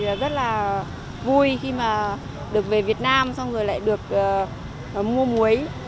rất vui khi được về việt nam rồi lại được mua muối